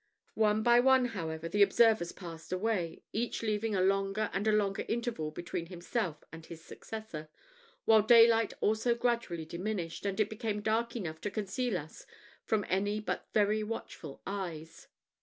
One by one, however, the observers passed away, each leaving a longer and a longer interval between himself and his successor, while daylight also gradually diminished, and it became dark enough to conceal us from any but very watchful eyes.